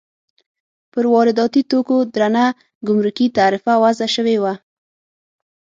پر وارداتي توکو درنه ګمرکي تعرفه وضع شوې وه.